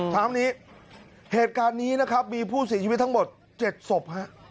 ถามนี้เหตุการณ์นี้นะครับมีผู้เสียชีวิตทั้งหมด๗ศพฮะ